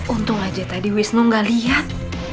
untung aja tadi wisnu gak lihat